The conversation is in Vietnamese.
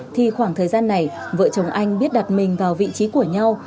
thì khoảng thời gian này vợ chồng anh biết đặt mình vào vị trí của nhau